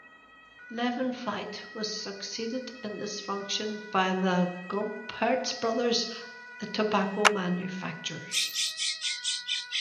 Levin Veit was succeeded in this function by the Gompertz brothers, the tobacco manufacturers.